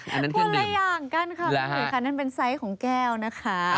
พูดอะไรอย่างกันค่ะอันนั้นเป็นไซส์ของแก้วนะคะ